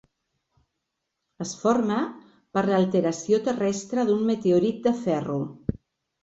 Es forma per l'alteració terrestre d'un meteorit de ferro.